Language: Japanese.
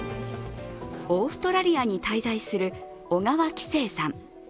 オーストラリアに滞在する小川輝星さん。